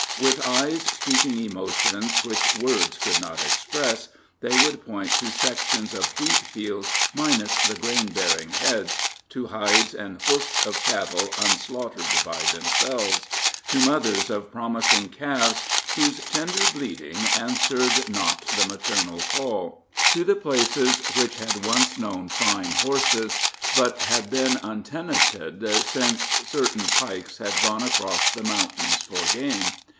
With eyes speaking emotions which words could not express, they would point to sections of wheatfields minus the grain bearing heads to hides and hoofs of cattle unslaughtered by themselves to mothers of promising calves, whose tender bleatings answered not the maternal call to the places which had once known fine horses, but had been untenanted since certain Pikes had gone across, the mountains for game.